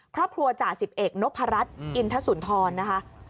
ครอบครัวจ่าสิบเอกนกพระรัชอินทสุนธรนะคะ